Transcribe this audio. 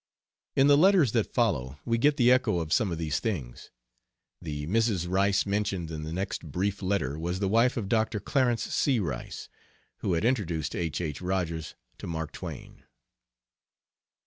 In the letters that follow we get the echo of some of these things. The Mrs. Rice mentioned in the next brief letter was the wife of Dr. Clarence C. Rice, who had introduced H. H. Rogers to Mark Twain.